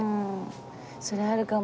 それあるかも。